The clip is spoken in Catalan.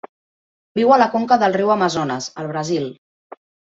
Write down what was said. Viu a la conca del riu Amazones, al Brasil.